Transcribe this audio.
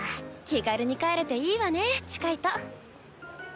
気軽に帰れていいわね近いと。